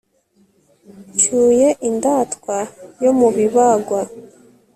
Ncyuye indatwa yo mu bibagwa